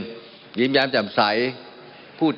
มันมีมาต่อเนื่องมีเหตุการณ์ที่ไม่เคยเกิดขึ้น